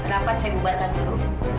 kenapa saya bubarkan dulu